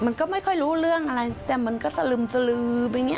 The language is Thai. มันก็ไม่ค่อยรู้เรื่องอะไรแต่มันก็สลึมสลือไปอย่างนี้